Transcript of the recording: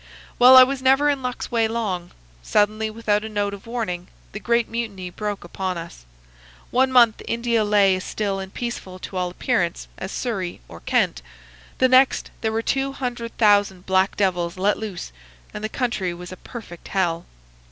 "Well, I was never in luck's way long. Suddenly, without a note of warning, the great mutiny broke upon us. One month India lay as still and peaceful, to all appearance, as Surrey or Kent; the next there were two hundred thousand black devils let loose, and the country was a perfect hell.